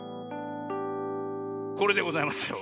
これでございますよ。